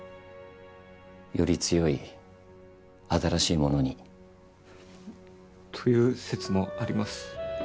より強い新しいものに。という説もあります。